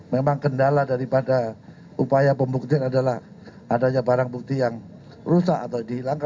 memang kendala daripada upaya pembuktian adalah adanya barang bukti yang rusak atau dihilangkan